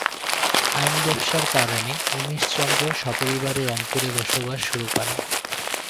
আইন ব্যবসার কারণে উমেশচন্দ্র সপরিবারে রংপুরে বসবাস শুরু করেন।